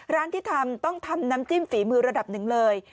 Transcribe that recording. ร้านที่ทำต้องทำน้ำจิ้มฝีมือระดับหนึ่งเลย